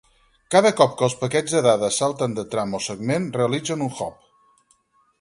Cada cop que els paquets de dades salten de tram o segment realitzen un hop.